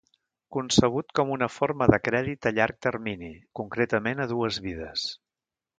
Concebut com una forma de crèdit a llarg termini, concretament a dues vides.